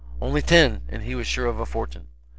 Only ten, and he was sure of a fortune.